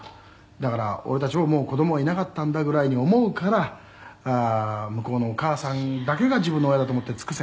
「“だから俺たちももう子供はいなかったんだぐらいに思うから向こうのお義母さんだけが自分の親だと思って尽くせ」